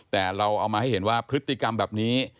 แต่เราเอามาให้เห็นว่าพฤติกรรมแบบนี้